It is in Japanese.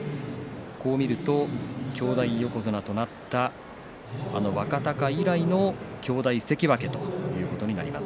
兄弟横綱となった若貴以来の兄弟関脇ということになります。